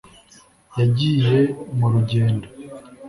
yagiye mu rugendo